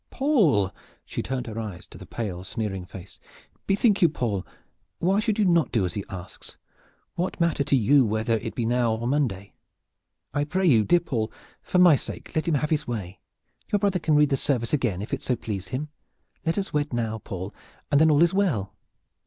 "Paul!" she turned her eyes to the pale sneering face. "Bethink you, Paul! Why should you not do what he asks? What matter to you whether it be now or on Monday? I pray you, dear Paul, for my sake let him have his way! Your brother can read the service again if it so please him. Let us wed now, Paul, and then all is well."